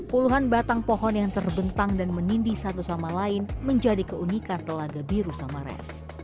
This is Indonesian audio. puluhan batang pohon yang terbentang dan menindi satu sama lain menjadi keunikan telaga biru samares